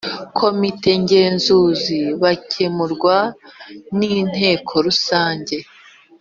Komite ngenzuzi bakemerwa n inteko rusange